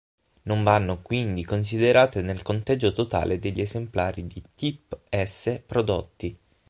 Non vanno quindi considerate nel conteggio totale degli esemplari di "Typ S" prodotti.